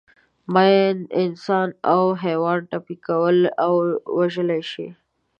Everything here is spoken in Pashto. ماین انسان او حیوان ټپي کولای او وژلای شي.